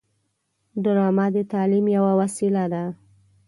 ډرامه د تعلیم یوه وسیله ده